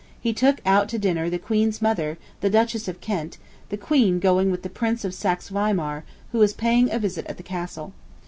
He took out to dinner the Queen's mother, the Duchess of Kent, the Queen going with the Prince of Saxe Weimar, who was paying a visit at the Castle.